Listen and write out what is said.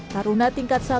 taruna tingkat satu